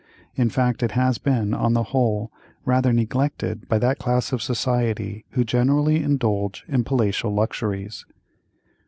In fact it has been, on the whole, rather neglected by that class of society who generally indulge in palatial luxuries.